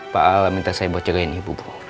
pak al minta saya buat jagain ibu